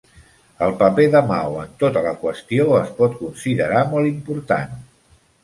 El paper de Mao en tota la qüestió es pot considerar molt important.